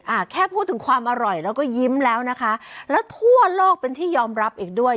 อ่าแค่พูดถึงความอร่อยแล้วก็ยิ้มแล้วนะคะแล้วทั่วโลกเป็นที่ยอมรับอีกด้วย